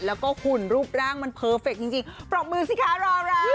แล้วก็ขุนรูปร่างมันเพอร์เฟกต์จริงปรอกมือสิคะรอบร้อย